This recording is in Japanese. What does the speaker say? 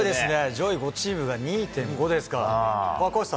上位５チームが２．５ですから。